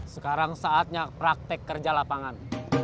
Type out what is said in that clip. sekarang saatnya praktek kerja lapangan